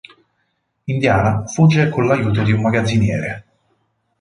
Indiana fugge con l'aiuto di un magazziniere.